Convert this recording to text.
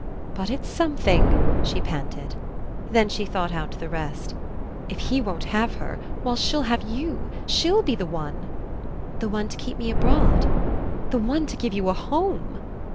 But it's something!" she panted. Then she thought out the rest. "If he won't have her, why she'll have YOU. She'll be the one." "The one to keep me abroad?" "The one to give you a home."